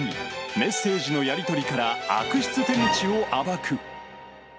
メッセージのやり取りから悪質手口を暴く。